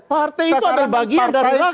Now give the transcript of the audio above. partai itu adalah bagian dari rakyat